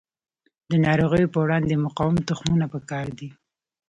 د ناروغیو په وړاندې مقاوم تخمونه پکار دي.